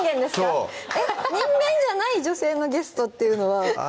そう人間じゃない女性のゲストっていうのは？